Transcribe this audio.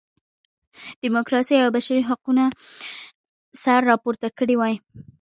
ډیموکراسۍ او بشري حقونو سر راپورته کړی وای.